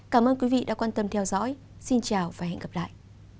cảm ơn quý vị đã quan tâm theo dõi xin chào và hẹn gặp lại